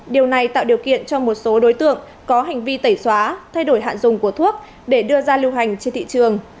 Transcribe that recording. điều này tạo điều kiện cho một số đối tượng có hành vi tẩy xóa thay đổi hạn dùng của thuốc để đưa ra lưu hành trên thị trường